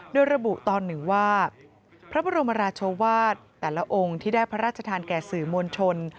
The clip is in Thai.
โดยระบุตอนหนึ่งว่าพระบรมราชวาสแต่ละองค์ที่ได้พระราชทานแก่สื่อมวลชน